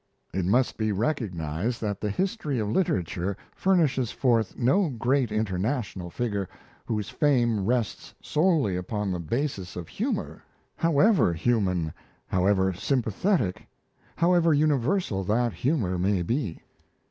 It must be recognised that the history of literature furnishes forth no great international figure, whose fame rests solely upon the basis of humour, however human, however sympathetic, however universal that humour may be.